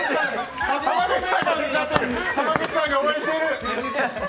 濱口さんが応援している。